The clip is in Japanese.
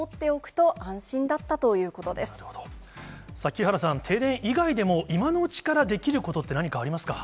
木原さん、停電以外でも、今のうちからできることって、何かありますか？